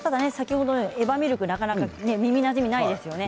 エバミルクなかなか耳なじみないですね